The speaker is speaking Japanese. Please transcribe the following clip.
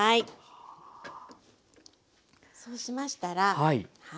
そうしましたら。